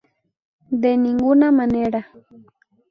de ninguna manera